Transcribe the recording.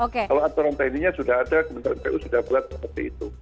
kalau aturan teknisnya sudah ada kementerian pu sudah buat seperti itu